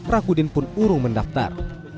rakudin pun urung mendaftar